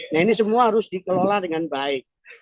nah ini semua harus dikelola dengan baik